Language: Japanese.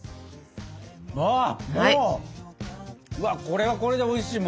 これはこれでおいしい！